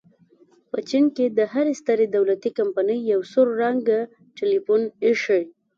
په چین کې د هرې سترې دولتي کمپنۍ یو سور رنګه ټیلیفون ایښی.